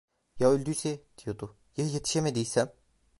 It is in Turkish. Ya öldüyse, diyordu, ya yetişemediysem!